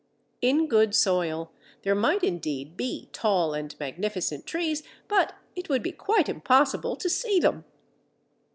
In good soil there might indeed be tall and magnificent trees. But it would be quite impossible to see them!